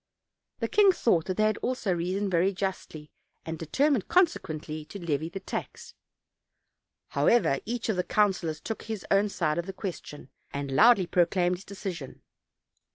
The king thought that they also reasoned very justly, and determined, consequently, to levy the tax. However, each of the councilors took his own side of the question, and loudly proclaimed his decision.